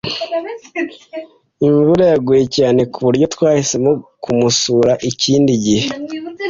Imvura yaguye cyane kuburyo twahisemo kumusura ikindi gihe.